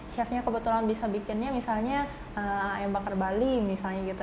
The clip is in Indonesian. chefnya kebetulan bisa bikinnya misalnya ayam bakar bali misalnya gitu